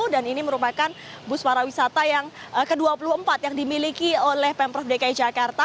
dan ini merupakan bus para wisata yang ke dua puluh empat yang dimiliki oleh pemprov dki jakarta